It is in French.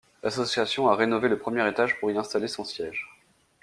L'association a rénovée le premier étage pour y installer son siège.